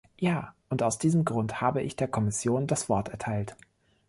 Ja, und aus diesem Grund habe ich der Kommission das Wort erteilt.